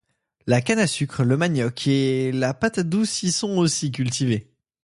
La canne à sucre, le manioc et la patate douce y sont aussi cultivés.